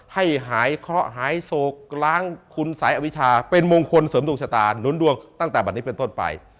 ให้หายเคราะห์หายโศกล้างคุณสายอวิชาเป็นมงคลเสริมดวงชะตาหนุนดวงตั้งแต่บัตรนี้เป็นต้นไป